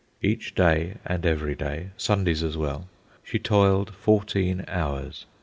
Each day and every day, Sundays as well, she toiled fourteen hours.